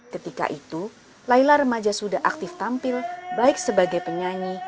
ketika itu layla remaja sudah aktif tampil baik sebagai penyanyi